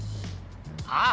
ああ！